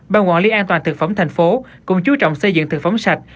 bằng quản lý an toàn thực phẩm thành phố cùng chú trọng xây dựng thực phẩm sạch